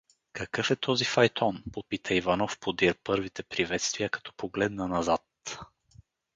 — Какъв е този файтон? — попита Иванов подир първите приветствия, като погледна назад.